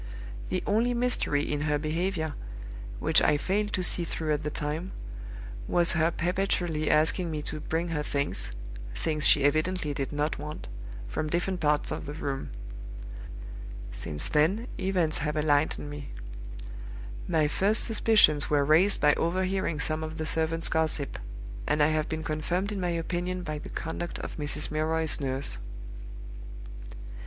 The only mystery in her behavior, which I failed to see through at the time, was her perpetually asking me to bring her things (things she evidently did not want) from different parts of the room. "Since then events have enlightened me. My first suspicions were raised by overhearing some of the servants' gossip; and I have been confirmed in my opinion by the conduct of Mrs. Milroy's nurse.